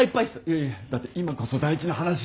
いやいやだって今こそ大事な話しないと。